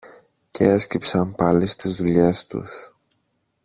και έσκυψαν πάλι στις δουλειές τους